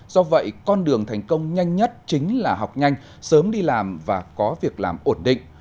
do vậy con đường thành công nhanh nhất chính là học nhanh sớm đi làm và có việc làm ổn định